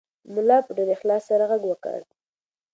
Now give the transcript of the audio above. ملا په ډېر اخلاص سره غږ وکړ.